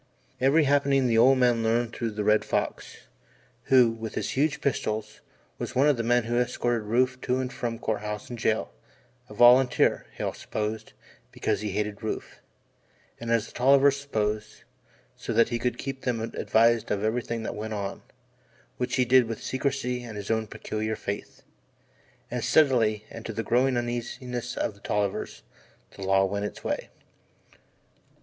Every happening the old man learned through the Red Fox, who, with his huge pistols, was one of the men who escorted Rufe to and from Court House and jail a volunteer, Hale supposed, because he hated Rufe; and, as the Tollivers supposed, so that he could keep them advised of everything that went on, which he did with secrecy and his own peculiar faith. And steadily and to the growing uneasiness of the Tollivers, the law went its way.